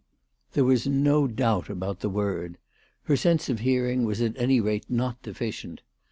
There was no doubt about the word. Her sense of hearing was at any rate not deficient.